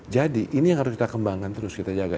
jadi ini yang harus kita kembangkan terus kita jaga